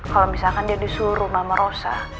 kalau misalkan dia disuruh mama rosa